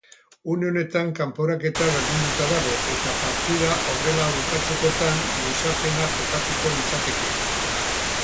Une honetan kanporaketa berdinduta dago eta partida horrela bukatzekotan luzapena jokatuko litzateke.